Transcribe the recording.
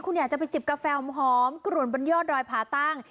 คุณอยากจะไปจิบกาแฟอมหอมกุหลบรรยาชดรอยพาตั้ง